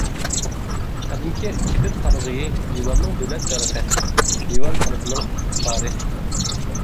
قەدىمكى كېدىر قارىغىيى لىۋاننىڭ دۆلەت دەرىخى، لىۋان خەلقىنىڭ ئىپتىخارى.